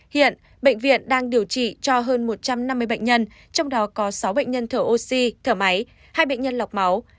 hiện bệnh viện đang điều trị cho hơn một trăm năm mươi bệnh nhân trong đó có sáu bệnh nhân thở oxy thở máy hai bệnh nhân lọc máu